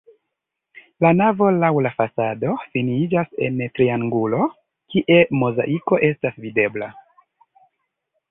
La navo laŭ la fasado finiĝas en triangulo, kie mozaiko estas videbla.